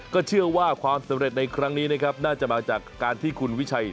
ก็เชื่อว่าความสำเร็จในครั้งนี้นะครับน่าจะมาจากการที่คุณวิชัย